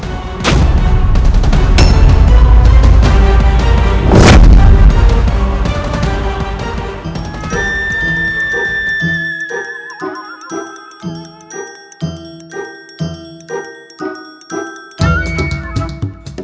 kau bisa melihat rakyat